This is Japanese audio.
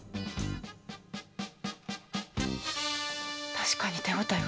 確かに手応えが。